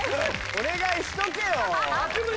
お願いしとけよ。